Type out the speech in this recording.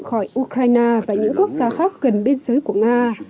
khỏi ukraine và những quốc gia khác gần biên giới của nga